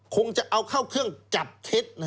คงจะเอาเข้าเครื่องจับเท็จ